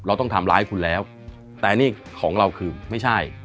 เราต้องทำร้ายคุณแล้วแต่นี่ของเราคือไม่ใช่